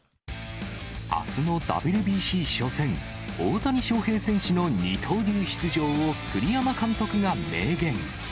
あすのＷＢＣ初戦、大谷翔平選手の二刀流出場を、栗山監督が明言。